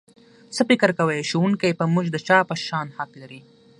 څه فکر کوئ ښوونکی په موږ د چا په شان حق لري؟